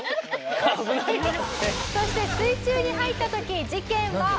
「そして水中に入った時事件は起こりました」